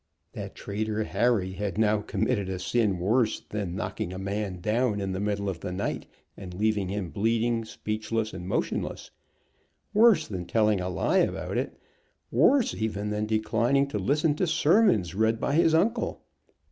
That traitor Harry had now committed a sin worse that knocking a man down in the middle of the night and leaving him bleeding, speechless, and motionless; worse than telling a lie about it; worse even than declining to listen to sermons read by his uncle.